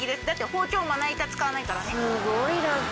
だって包丁まな板使わないからね。